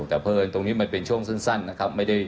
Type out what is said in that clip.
แต่เพราะเอิญตรงนี้มันเป็นช่วงสั้นนะครับ